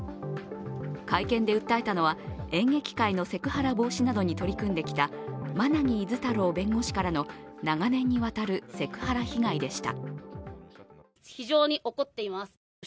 会見で訴えたのは演劇界のセクハラ防止などに取り組んできた馬奈木厳太郎弁護士からの長年にわたるセクハラ被害でした。